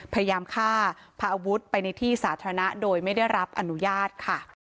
พยายามฆ่าพาอาวุธไปในที่สาธารณะโดยไม่ได้รับอนุญาตค่ะ